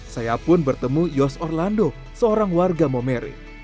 saya pun bertemu yos orlando seorang warga momere